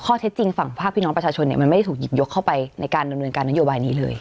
เท็จฝั่งภาพพี่น้องประชาชนมันไม่ได้ถูกหยิบยกเข้าไปในการดำเนินการนโยบายนี้เลย